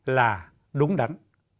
là đúng đắn